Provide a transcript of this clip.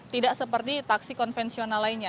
tidak seperti taksi konvensional lainnya